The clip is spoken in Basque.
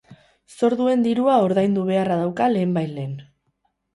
Zor duen dirua ordaindu beharra dauka lehen bait lehen.